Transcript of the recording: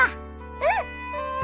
うん。